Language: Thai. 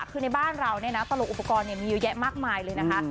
คือในบ้านเราเนี่ยนะตลกอุปกรณ์มีเยอะแยะมากมายเลยนะคะ